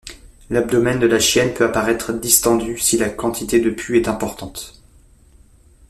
L'abdomen de la chienne peut apparaître distendu si la quantité de pus est importante.